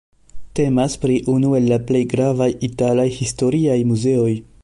Temas pri unu el la plej gravaj italaj historiaj muzeoj.